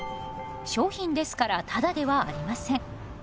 商品ですからタダではありません。